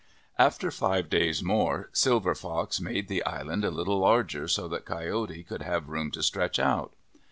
After five days more, Silver Fox made the island a little larger so that Coyote could have room to stretch out.